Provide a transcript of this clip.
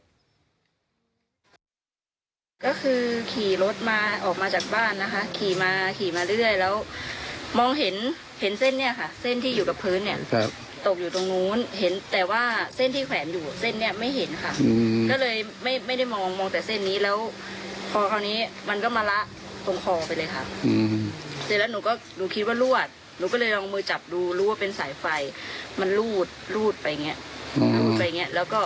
ก็คือขี่รถมาออกมาจากบ้านนะคะขี่มาขี่มาเรื่อยแล้วมองเห็นเห็นเส้นเนี่ยค่ะเส้นที่อยู่กับพื้นเนี่ยตกอยู่ตรงนู้นเห็นแต่ว่าเส้นที่แขวนอยู่เส้นนี้ไม่เห็นค่ะก็เลยไม่ได้มองมองแต่เส้นนี้แล้วพอคราวนี้มันก็มาละตรงคอไปเลยค่ะเสร็จแล้วหนูก็หนูคิดว่ารวดหนูก็เลยลองมือจับดูรู้ว่าเป็นสายไฟมันรูดรูดไปอย่างเงี้ยแล้วก็